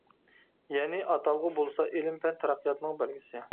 يەنى، ئاتالغۇ بولسا ئىلىم-پەن تەرەققىياتىنىڭ بەلگىسى.